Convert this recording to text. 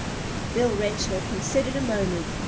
Bill Renshaw considered a moment.